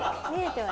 はい。